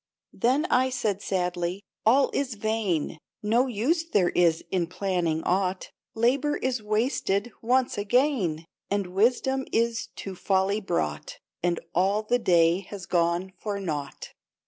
Then I said sadly :" All is vain ; No use there is in planning aught, Labor is wasted once again, And wisdom is to folly brought, And all the day has gone for naught."